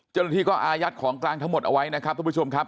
เจ้าหน้าที่ก็อายัดของกลางทั้งหมดเอาไว้นะครับทุกผู้ชมครับ